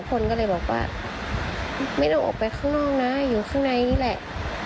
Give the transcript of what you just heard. คนก็เลยบอกว่าไม่ต้องออกไปข้างนอกนะอยู่ข้างในนี่แหละ